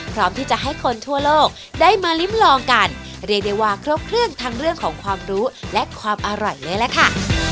พร้อมที่จะให้คนทั่วโลกได้มาลิ้มลองกันเรียกได้ว่าครบเครื่องทั้งเรื่องของความรู้และความอร่อยเลยล่ะค่ะ